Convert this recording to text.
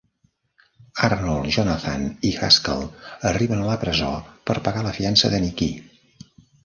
Arnold, Jonathan i Haskell arriben a la presó per pagar la fiança de Nicki.